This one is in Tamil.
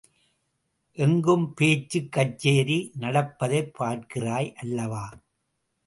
எங்கும் பேச்சுக் கச்சேரி நடப்பதைப் பார்க்கிறாய் அல்லவா?